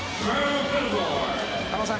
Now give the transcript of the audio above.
狩野さん